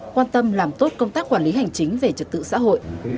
quan tâm làm tốt công tác quản lý hành chính về trật tự xã hội